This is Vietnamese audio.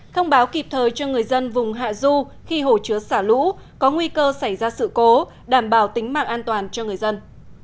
thông báo kịp thời cho người dân vùng hạ du khi hồ chứa xả lũ có nguy cơ xảy ra sự cố đảm bảo tính mạng an toàn cho người dân